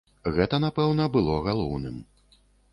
Гэта, напэўна, было галоўным.